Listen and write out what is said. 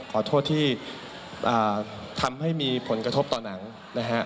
ขอโทษที่ทำให้มีผลกระทบต่อหนังนะฮะ